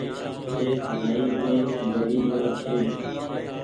ۮيک ڀآئي مينٚ غريب منک ڇوٚنٚ